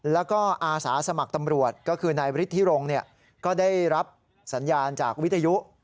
แล้วก็อาสาสมัครตำรวจก็คือนายฤทธิรงค์ก็ได้รับสัญญาณจากวิทยุ